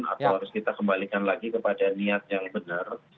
atau harus kita kembalikan lagi kepada niat yang benar